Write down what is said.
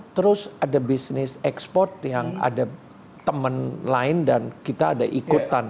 terus ada bisnis ekspor yang ada teman lain dan kita ada ikutan